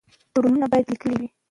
تړونونه باید لیکلي وي.